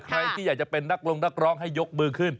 ใครอยากเป็นนักร่องให้ยกมือขึ้น